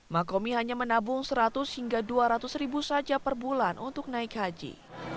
makomi hanya menabung seratus hingga dua ratus ribu saja per bulan untuk naik haji